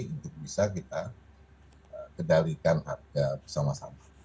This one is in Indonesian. untuk bisa kita kendalikan harga bersama sama